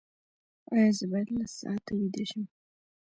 ایا زه باید لس ساعته ویده شم؟